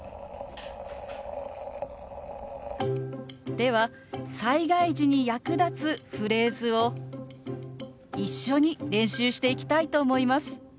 では災害時に役立つフレーズを一緒に練習していきたいと思います。